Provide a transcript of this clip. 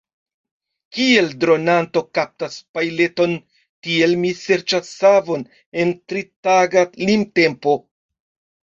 Kiel dronanto kaptas pajleton, tiel li serĉas savon en tritaga limtempo.